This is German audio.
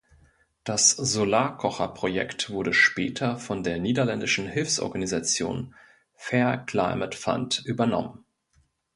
Das Solarkocherprojekt wurde später von der niederländischen Hilfsorganisation Fair Climate Fund übernommen.